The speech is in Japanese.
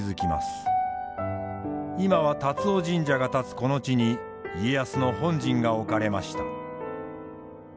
今は龍尾神社が立つこの地に家康の本陣が置かれました。